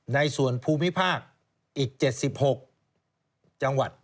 ในส่วนภูมิภาคอีก๗๖จังหวัด